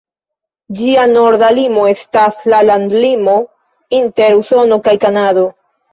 Ĝia norda limo estas la landlimo inter Usono kaj Kanado.